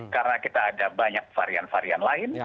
karena kita ada banyak varian varian lain